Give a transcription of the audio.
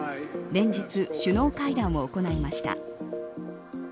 連日、首脳会談を行いました。